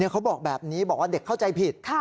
เขาบอกแบบนี้บอกว่าเด็กเข้าใจผิด